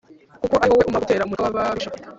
Kuko ari wowe umpa gutera umutwe w ababisha